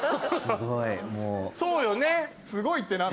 そうよね？